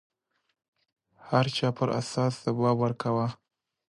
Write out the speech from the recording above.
هر چا پر اساس ځواب ورکاوه